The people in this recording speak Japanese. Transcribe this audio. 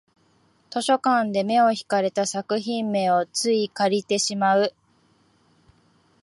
図書館で目を引かれた作品名をつい借りてしまう